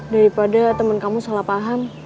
daripada teman kamu salah paham